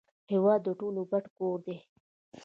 هیواد د ټولو ګډ کور دی